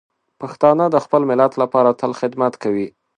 پښتانه د خپل ملت لپاره تل خدمت کوي.